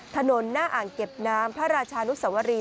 ถนนหน้าอ่างเก็บน้ำพระราชานุสวรี